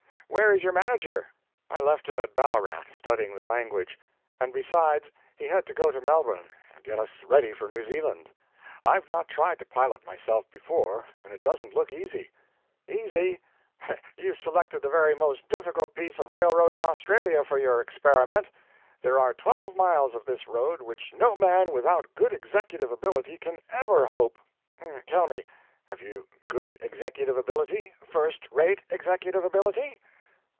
Where is your manager?" "I left him at Ballarat, studying the language. And besides, he had to go to Melbourne and get us ready for New Zealand. I've not tried to pilot myself before, and it doesn't look easy." "Easy! You've selected the very most difficult piece of railroad in Australia for your experiment. There are twelve miles of this road which no man without good executive ability can ever hope tell me, have you good executive ability? first rate executive ability?"